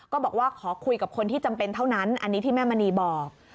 บอกว่าขอคุยกับคนที่จำเป็นเท่านั้นอันนี้ที่แม่มณีบอก